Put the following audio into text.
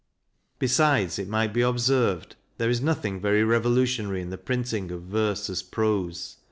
Besides, it might be observed, there is nothing very revolutionary in the printing of verse as prose.